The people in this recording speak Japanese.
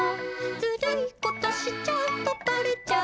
「ずるいことしちゃうとバレちゃうよ」